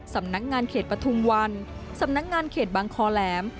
สำนักงานเขตปฐุมวันสำนักงานเขตบางคอแหลม